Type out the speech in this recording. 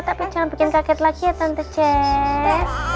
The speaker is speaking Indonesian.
tapi jangan bikin kaget lagi ya tante cek